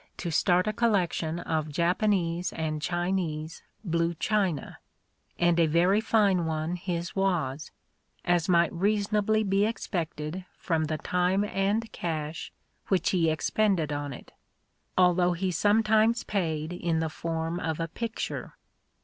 to start a collection of Japanese and Chinese blue china : and a very fine one his was, as might reasonably be expected from the time and cash which he expended on it,— although he sometimes paid in the form of a picture.